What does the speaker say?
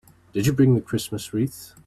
Did you bring the Christmas wreath?